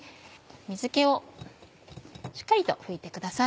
水気をしっかりと拭いてください。